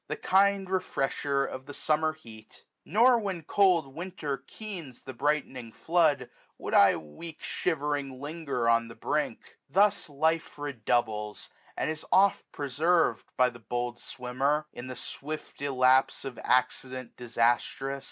The kind refresher of the summer heat ; SUMMER. 97 Nor, when cold Winter keens the brightening flood. Would I weak shwering linger on the brink. Thus life redoubles, and is ofc preserved, 1260 By the bold swimmer, in the swift illapse Of accident disastrous.